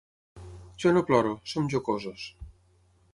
Jo no ploro, som jocosos.